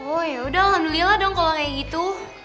oh yaudah alhamdulillah dong kalau kayak gitu